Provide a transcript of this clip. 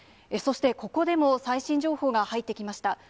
そして、ここでも最新情報が入ってきました。